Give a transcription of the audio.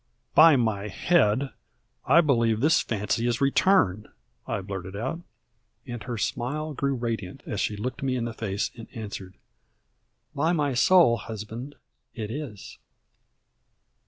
"By my head, I believe his fancy is returned!" I blurted out. And her smile grew radiant, as, looking me in the face, she answered, "By my soul, husband, it is."